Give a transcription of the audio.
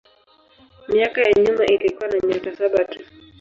Miaka ya nyuma ilikuwa na nyota saba tu.